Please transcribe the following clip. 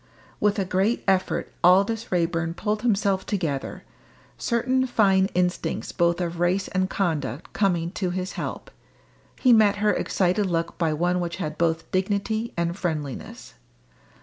With a great effort Aldous Raeburn pulled himself together, certain fine instincts both of race and conduct coming to his help. He met her excited look by one which had both dignity and friendliness.